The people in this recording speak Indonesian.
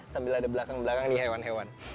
sambil ada belakang belakang nih hewan hewan